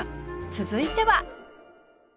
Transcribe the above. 続いては